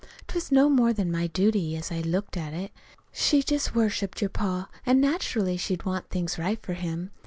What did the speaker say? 'T was no more than my duty, as I looked at it. She just worshipped your pa, an' naturally she'd want things right for him.